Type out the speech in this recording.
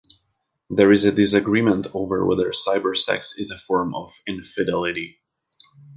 There is disagreement over whether cybersex is a form of infidelity.